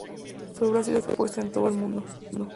Su obra ha sido expuesta en todo el mundo.